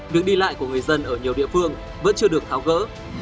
việc đi lại của người dân ở nhiều địa phương vẫn chưa được tháo gỡ